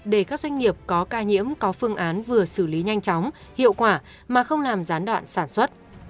để các doanh nghiệp có ca nhiễm có phương án vừa xử lý nhanh chóng hiệu quả mà không làm gián đoạn sản xuất